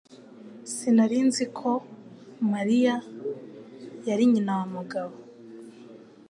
Sinari nzi ko Mariya yari nyina wa Mugabo